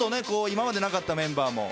今までなかったメンバーも。